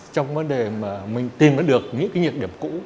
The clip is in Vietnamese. trong vấn đề mà mình tìm ra được những cái nhược điểm cũ